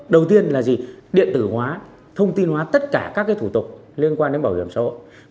đầu tiên là gì điện tử hóa thông tin hóa tất cả các thủ tục liên quan đến bảo hiểm xã hội